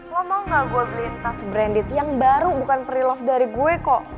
lo mau gak gue beliin tas branded yang baru bukan pre loved dari gue kok